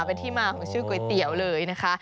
เป็นที่มาของชื่อก๋วยเตี๋ยวเลยนะคะ